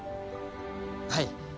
はい。